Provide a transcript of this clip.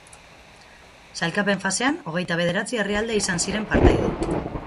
Sailkapen-fasean hogeita bederatzi herrialde izan ziren partaide.